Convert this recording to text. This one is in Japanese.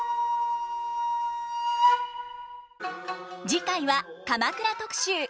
次回は鎌倉特集。